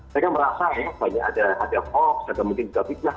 mereka merasa ya banyak ada hoax ada mungkin juga fitnah